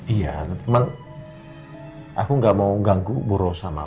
iya tapi aku nggak mau ganggu bu rosa mak